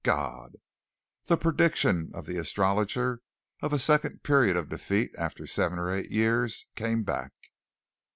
God! The prediction of the Astrologer of a second period of defeat after seven or eight years came back.